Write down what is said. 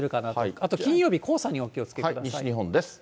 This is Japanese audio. あと金曜日、黄砂にお気をつけください。